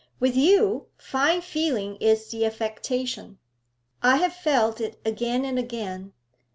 With you, fine feeling is the affectation. I have felt it again and again.